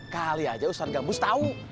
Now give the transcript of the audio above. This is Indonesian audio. kali aja ustadz gambus tahu